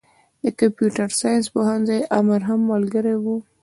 د کمپيوټر ساينس پوهنځي امر هم ملګری و.